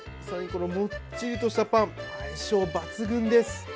更にもっちりとしたパン相性抜群です。